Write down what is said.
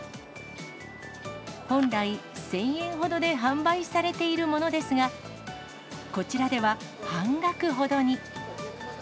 本来、１０００円ほどで販売されているものですが、こちらでは半額ほどに。